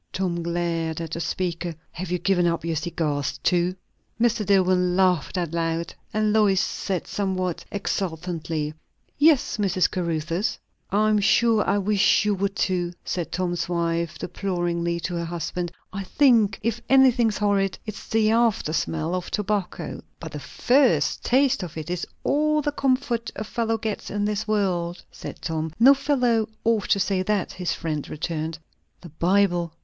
Tom glared at the speaker. "Have you given up your cigars too?" Mr. Dillwyn laughed out, and Lois said somewhat exultantly, "Yes, Mr. Caruthers." "I am sure I wish you would too!" said Tom's wife deploringly to her husband. "I think if anything's horrid, it's the after smell of tobacco." "But the first taste of it is all the comfort a fellow gets in this world," said Tom. "No fellow ought to say that," his friend returned. "The Bible!"